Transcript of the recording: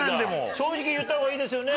正直に言ったほうがいいですよね。